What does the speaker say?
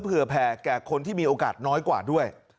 เผื่อแผ่แก่คนที่มีโอกาสน้อยกว่าด้วย